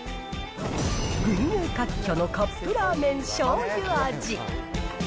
群雄割拠のカップラーメンしょうゆ味。